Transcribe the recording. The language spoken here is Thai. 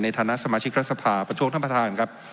ฐานะสมาชิกรัฐสภาประท้วงท่านประธานครับ